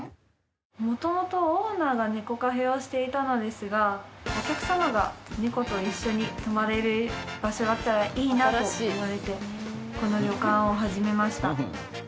元々オーナーがネコカフェをしていたのですがお客様がネコと一緒に泊まれる場所があったらいいなと言われてこの旅館を始めました。